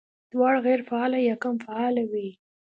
دواړه غېر فعاله يا کم فعاله وي